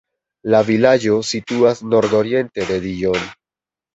La vilaĝo situas nordoriente de Dijon.